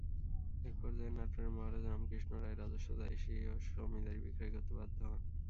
এক পর্যায়ে নাটোরের মহারাজ রামকৃষ্ণ রায় রাজস্ব দায়ে স্বীয় জমিদারি বিক্রয় করতে বাধ্য হন।